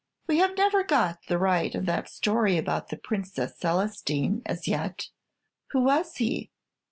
We have never got the right end of that story about the Princess Celestine as yet. Who was he?